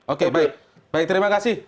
oke baik baik terima kasih